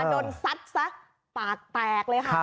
โดนซัดซะปากแตกเลยค่ะ